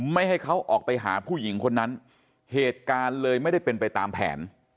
ไม่ให้เขาออกไปหาผู้หญิงคนนั้นเหตุการณ์เลยไม่ได้เป็นไปตามแผน